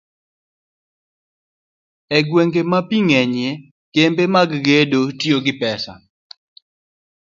e gwenge ma pi ng'enyie, kembe mag gedo tiyo gi pesa